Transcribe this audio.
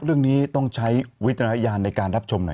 เรื่องนี้ต้องใช้วิจารณญาณในการรับชมหน่อย